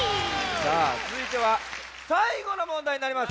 さあつづいてはさいごのもんだいになります。